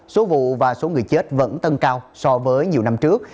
số vụ và số người chết vẫn tăng cao so với nhiều năm trước